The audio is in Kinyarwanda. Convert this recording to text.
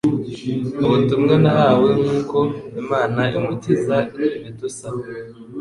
ubutumwa nahawe nk uko imana umukiza ibidusaba